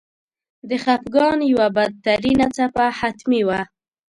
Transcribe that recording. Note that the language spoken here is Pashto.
د خپګان یوه بدترینه څپه حتمي وه.